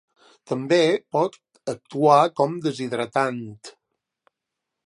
També pot actuar com deshidratant.